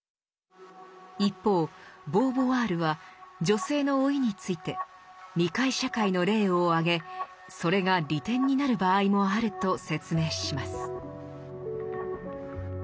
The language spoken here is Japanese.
一方ボーヴォワールは女性の老いについて未開社会の例を挙げそれが利点になる場合もあると説明します。